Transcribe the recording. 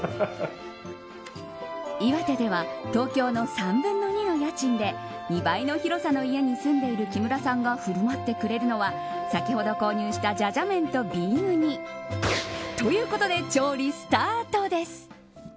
岩手では東京の３分の２の家賃で２倍の広さの家に住んでいる木村さんが振舞ってくれるのは先ほど購入したじゃじゃ麺と瓶ウニ。ということで調理スタートです。